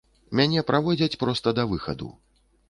Мяне праводзяць проста да выхаду.